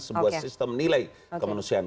sebuah sistem nilai kemanusiaan